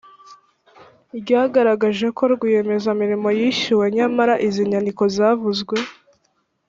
ryagaragaje ko rwiyemezamirimo yishyuwe nyamara izi nyandiko zavuzwe